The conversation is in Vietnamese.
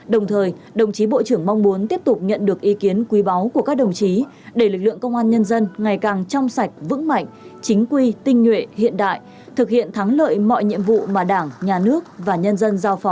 đồng thời đồng chí bộ trưởng mong muốn tiếp tục nhận được ý kiến quý báu của các đồng chí để lực lượng công an nhân dân ngày càng trong sạch vững mạnh chính quy tinh nhuệ hiện đại thực hiện thắng lợi mọi nhiệm vụ mà đảng nhà nước và nhân dân giao phó